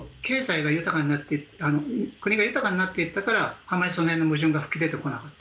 国が豊かになっていったからあまりその辺の矛盾が噴き出てこなかった。